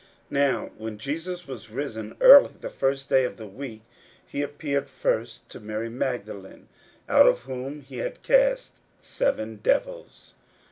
41:016:009 Now when Jesus was risen early the first day of the week, he appeared first to Mary Magdalene, out of whom he had cast seven devils.